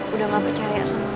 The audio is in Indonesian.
udah gak percaya sama lo